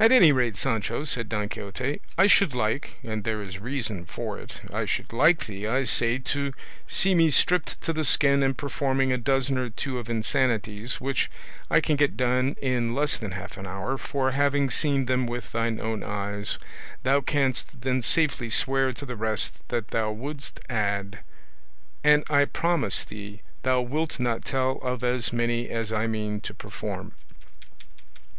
"At any rate, Sancho," said Don Quixote, "I should like and there is reason for it I should like thee, I say, to see me stripped to the skin and performing a dozen or two of insanities, which I can get done in less than half an hour; for having seen them with thine own eyes, thou canst then safely swear to the rest that thou wouldst add; and I promise thee thou wilt not tell of as many as I mean to perform."